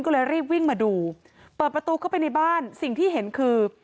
ก็เลยรีบวิ่งมาดูเปิดประตูเข้าไปในบ้านสิ่งที่เห็นคือ